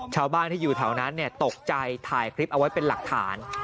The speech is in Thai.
ชาวบ้านที่อยู่แถวนั้นตกใจถ่ายคลิปเอาไว้เป็นหลักฐาน